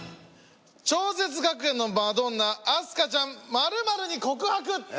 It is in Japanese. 超絶学園のマドンナ明日香ちゃんマルマルに告白。